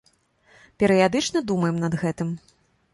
Перыядычна думаем над гэтым.